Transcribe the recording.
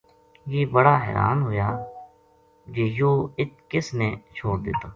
یہ بڑا حیریان ہویا جے یو ہ اِت کس نے چھوڈ دِتو